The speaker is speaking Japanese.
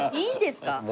いいんですか？